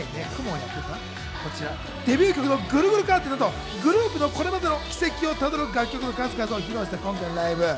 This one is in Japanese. デビュー曲の『ぐるぐるカーテン』など、グループのこれまでの軌跡をたどる楽曲の数々を披露した今回のライブ。